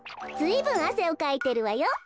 ずいぶんあせをかいてるわよ。